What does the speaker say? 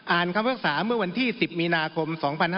อ่านคำพิวักษาเมื่อวันที่๑๐มีนาคม๒๕๓๘